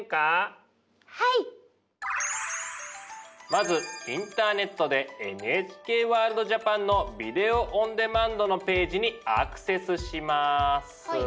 まずインターネットでＮＨＫワールドＪＡＰＡＮのビデオ・オン・デマンドのページにアクセスします。